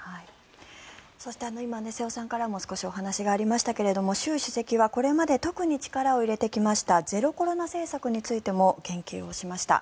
そして、今瀬尾さんからも少しお話がありましたが習主席はこれまで特に力を入れてきましたゼロコロナ政策についても言及をしました。